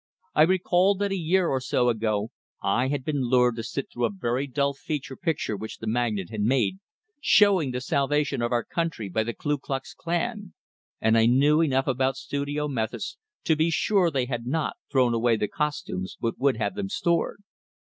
I recalled that a year or so ago I had been lured to sit through a very dull feature picture which the magnate had made, showing the salvation of our country by the Ku Klux Klan; and I knew enough about studio methods to be sure they had not thrown away the costumes, but would have them stored.